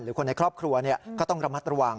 คนในครอบครัวก็ต้องระมัดระวัง